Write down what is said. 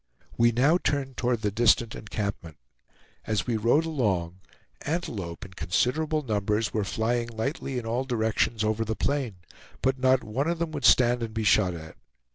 We now turned toward the distant encampment. As we rode along, antelope in considerable numbers were flying lightly in all directions over the plain, but not one of them would stand and be shot at.